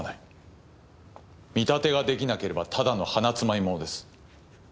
見立てができなければただの鼻つまみ者です。